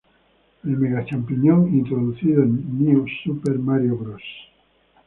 El Mega champiñón, introducido en New Super Mario Bros.